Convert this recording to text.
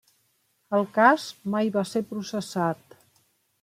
El cas mai va ser processat.